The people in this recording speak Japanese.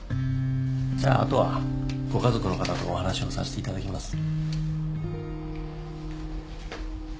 じゃあ後はご家族の方とお話をさしていただきます。